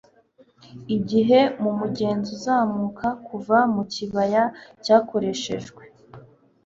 Igihe, mumugenzi uzamuka, kuva mukibaya cyakoreshejwe;